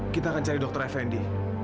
kita akan cari dokter effendy